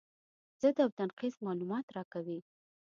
ضد او نقیض معلومات راکوي.